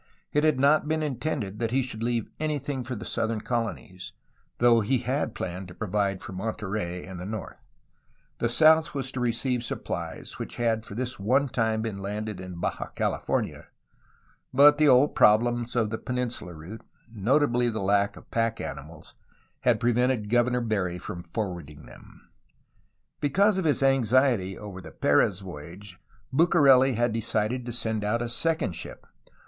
It had not been intended that he should leave anything for the southern colonies, though he had planned to provide for Monterey and the north; the south was to receive supplies which had for this one time been landed in Baja California, but the old prob lems of the peninsula route, notably the lack of pack animals, had prevented Governor Barry from forwarding them. Because of his anxiety over the Perez voyage Bucareli had decided to send out a second ship.